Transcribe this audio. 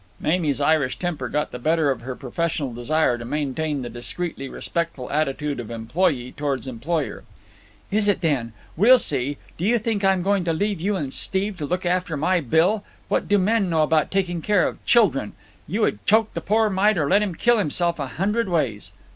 Mamie's Irish temper got the better of her professional desire to maintain the discreetly respectful attitude of employee toward employer. "Is it then? We'll see. Do you think I'm going to leave you and Steve to look after my Bill? What do men know about taking care of children? You would choke the poor mite or let him kill himself a hundred ways."